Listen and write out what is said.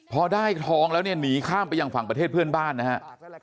พอได้ทองแล้วเนี่ยหนีข้ามไปยังฝั่งประเทศเพื่อนบ้านนะฮะ